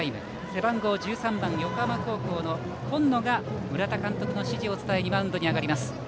背番号１３番、横浜高校の金野が村田監督の指示を伝えにマウンドに上がります。